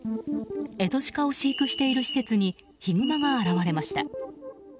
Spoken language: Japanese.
エゾシカを飼育している施設にヒグマが現れました。